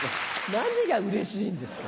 何がうれしいんですか？